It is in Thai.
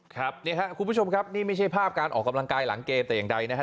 ครับเนี่ยครับคุณผู้ชมครับนี่ไม่ใช่ภาพการออกกำลังกายหลังเกมแต่อย่างใดนะครับ